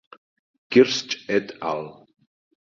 Kirsch et al.